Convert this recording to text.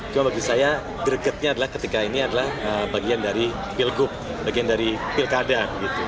cuma bagi saya gregetnya adalah ketika ini adalah bagian dari pilgub bagian dari pilkada gitu